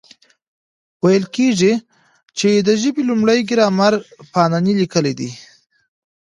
ویل کېږي، چي د ژبي لومړی ګرامر پانني لیکلی دئ.